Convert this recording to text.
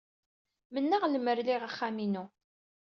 Mennaɣ lemmer liɣ axxam-inu.